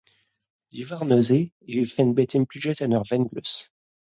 Diwar neuze e vefent bet implijet evel ur vengleuz.